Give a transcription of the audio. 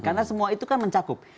karena semua itu kan mencakup